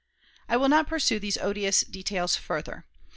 I will not pursue these odious details further.